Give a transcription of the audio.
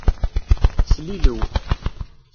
Slilew.